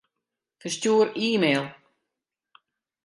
Ferstjoer e-mail.